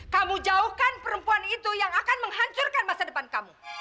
kamu jauhkan perempuan itu yang akan menghancurkan masa depan kamu